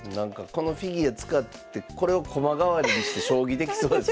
このフィギュア使ってこれを駒代わりにして将棋できそうですよね。